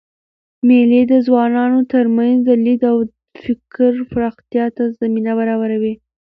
مېلې د ځوانانو ترمنځ د لید او فکر پراختیا ته زمینه برابروي.